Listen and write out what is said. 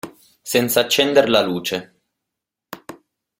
Senza accender la luce.